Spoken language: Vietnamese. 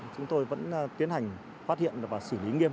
chúng tôi vẫn tiến hành phát hiện và xử lý nghiêm